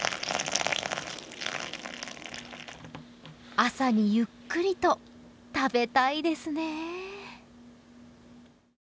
朝にゆっくりと食べたいですね。